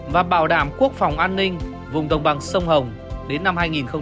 và bảo đảm quốc phòng an ninh vùng đồng bằng sông hồng đến năm hai nghìn hai mươi